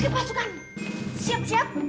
oke pasukan siap siap